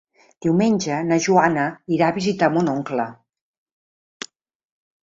Diumenge na Joana irà a visitar mon oncle.